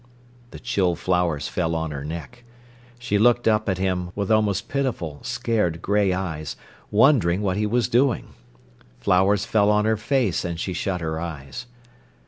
The chill flowers fell on her neck. She looked up at him, with almost pitiful, scared grey eyes, wondering what he was doing. Flowers fell on her face, and she shut her eyes.